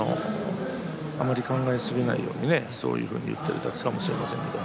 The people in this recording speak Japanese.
あまり考えすぎないようにそういうふうに言っているだけかもしれません。